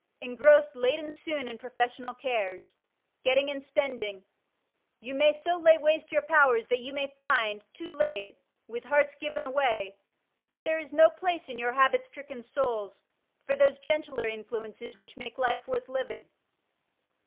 Engrossed late and soon in professional cares, getting and spending, you may so lay waste your powers that you may find, too late, with hearts given away, that there is no place in your habit^stricken souls for those gentler influences which make life worth living.